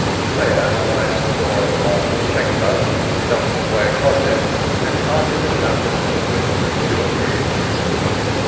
Clare unlatched the door of a large chamber, felt his way across it, and parted the shutters to the width of two or three inches.